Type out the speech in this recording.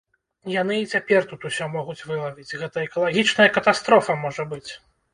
Яны і цяпер тут усё могуць вылавіць, гэта экалагічная катастрофа можа быць.